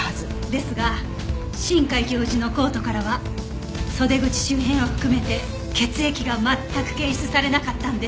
ですが新海教授のコートからは袖口周辺を含めて血液が全く検出されなかったんです。